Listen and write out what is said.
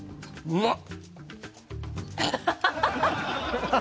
うまっ！